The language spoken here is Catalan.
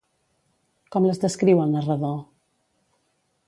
Com les descriu el narrador?